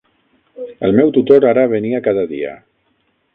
El meu tutor ara venia cada dia.